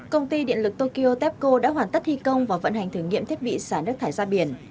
công ty điện lực tokyo tepco đã hoàn tất thi công và vận hành thử nghiệm thiết bị xả nước thải ra biển